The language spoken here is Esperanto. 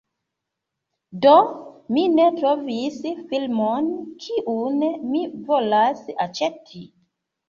Do, mi ne trovis filmon, kiun mi volas aĉeti